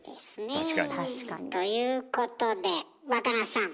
確かに。ということで若菜さん